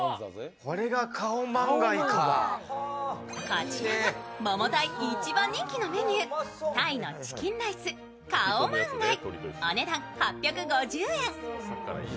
こちらがモモタイで一番人気のメニュー、タイのチキンライス、カオマンガイお値段８５０円。